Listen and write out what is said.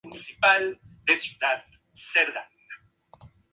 Actualmente es Senadora por la Concertación Frente Guasú.